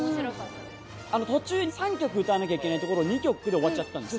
途中３曲歌わなきゃいけないところを２曲で終わっちゃってたんです。